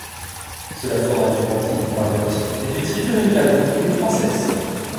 Cela fera du bandit, un monstre, et du tribut réclamé, une princesse.